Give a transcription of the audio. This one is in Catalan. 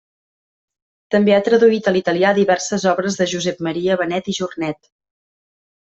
També ha traduït a l'italià diverses obres de Josep Maria Benet i Jornet.